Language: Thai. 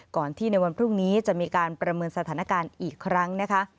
ก่อนที่ในวันพรุ่งนี้จะมีการประเมินสถานการณ์อีกครั้งนะคะ